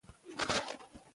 ـ زه دې په مړي پورې ژاړم،